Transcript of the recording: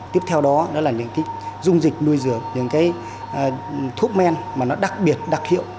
tiếp theo đó đó là những cái dung dịch nuôi dưỡng những cái thuốc men mà nó đặc biệt đặc hiệu